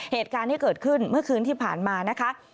เหตุการณ์ที่เกิดขึ้นเมื่อคืนที่ผ่านมานะคะ